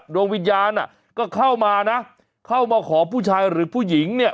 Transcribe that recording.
ดวงวิญญาณก็เข้ามานะเข้ามาขอผู้ชายหรือผู้หญิงเนี่ย